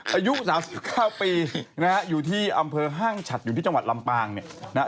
อายุ๓๙ปีนะฮะอยู่ที่อำเภอห้างฉัดอยู่ที่จังหวัดลำปางเนี่ยนะฮะ